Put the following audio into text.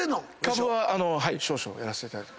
株は少々やらせていただいて。